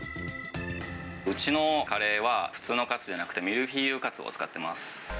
うちのカレーは普通のカツじゃなくて、ミルフィーユカツを使ってます。